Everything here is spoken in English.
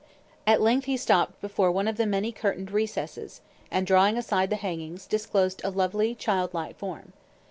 At length he stopped before one of the many curtained recesses, and, drawing aside the hangings, disclosed a lovely, childlike form.